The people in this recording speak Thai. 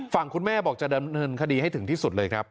ฝั่งคุณแม่บอกจะดำเนินคดีให้ถึงที่สุดเลยครับ